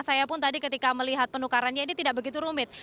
saya pun tadi ketika melihat penukarannya ini tidak begitu rumit